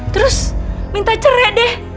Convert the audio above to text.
terus minta cerai deh